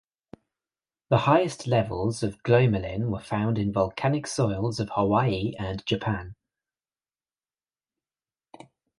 The highest levels of glomalin were found in volcanic soils of Hawaii and Japan.